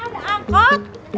nih ada angkut